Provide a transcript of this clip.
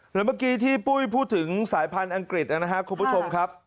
เมื่อกี้ที่ปุ้ยพูดถึงสายพันธุ์อังกฤษนะครับคุณผู้ชมครับ